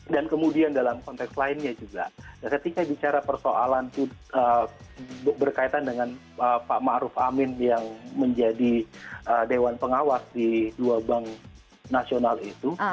dan kemudian dalam konteks lainnya juga ketika bicara persoalan itu berkaitan dengan pak ma'ruf amin yang menjadi dewan pengawas di dua bank nasional itu